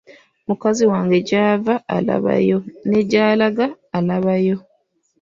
Mukazi wange gy’ava alabayo ne gy’alaga alabayo.